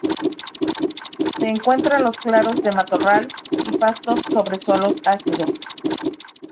Se encuentra en los claros de matorral y pastos sobre suelos ácidos.